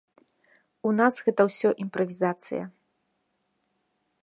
У нас гэта ўсё імправізацыя.